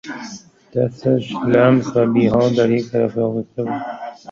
دستش لمس و بیحال در یک طرف آویخته بود.